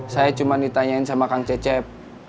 saya cuma ditanyain sama kang cecep